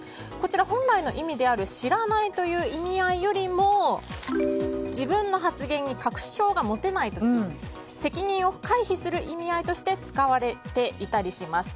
本来の意味である知らないという意味合いよりも自分の発言に確証が持てない時責任を回避する意味合いとして使われていたりします。